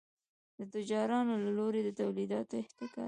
د تجارانو له لوري د تولیداتو احتکار.